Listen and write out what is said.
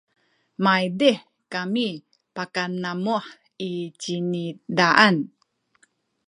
maydih kami pakanamuh i cinizaan